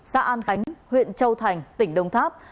xã an khánh huyện châu thành tỉnh đông tháp